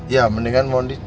ya mendingan mondi